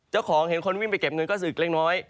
เจ้าของเห็นคนวิ่งไปเก็บเงินก็ศึกเล็กน้อย